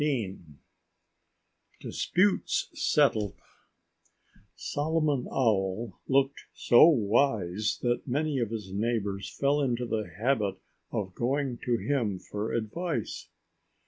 XV Disputes Settled Solomon Owl looked so wise that many of his neighbors fell into the habit of going to him for advice.